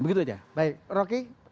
begitu saja baik roky